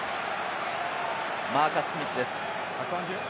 マーカス・スミスです。